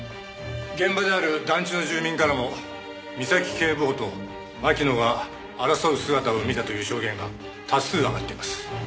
現場である団地の住民からも見崎警部補と槙野が争う姿を見たという証言が多数挙がっています。